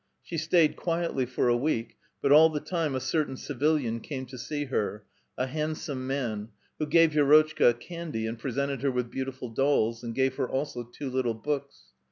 She staid quietly for a week, but all the time a certain civilian came to see her, a handsome man, who gave Vi6 rotchka candy, and presented her with beautiful dolls, and gave her also two little books.